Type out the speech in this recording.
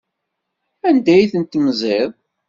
Anda ay tent-temziḍ?